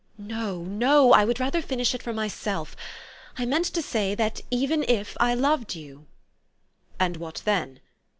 "No, no! I would rather finish it for myself. I meant to sa}^ that even if I loved you." "And what then?